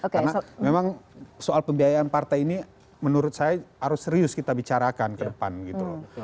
karena memang soal pembiayaan partai ini menurut saya harus serius kita bicarakan ke depan gitu loh